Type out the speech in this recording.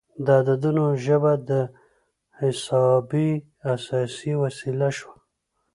د عددونو ژبه د محاسبې اساسي وسیله شوه.